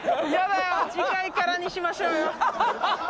次回からにしましょうよ。